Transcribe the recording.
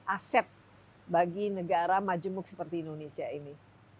aset bagi negara majemuk seperti indonesia ini